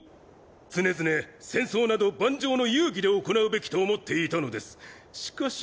常々戦争など盤上の遊戯で行うべきと思っていたのですしかし